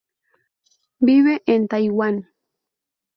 Vive en Taiwan.